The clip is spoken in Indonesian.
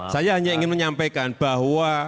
saya hanya ingin menyampaikan bahwa